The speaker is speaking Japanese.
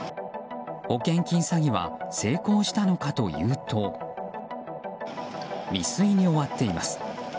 保険金詐欺は成功したのかというと未遂に終わっています。